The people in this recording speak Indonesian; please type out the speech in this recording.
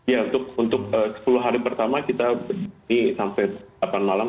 ya untuk sepuluh hari pertama kita berdiri sampai delapan malam